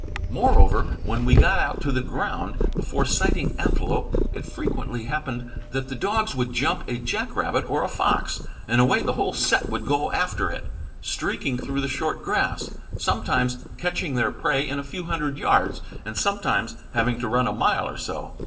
Moreover, when we got out to the ground, before sighting antelope, it frequently happened that the dogs would jump a jack rabbit or a fox, and away the whole set would go after it, streaking through the short grass, sometimes catching their prey in a few hundred yards, and sometimes having to run a mile or so.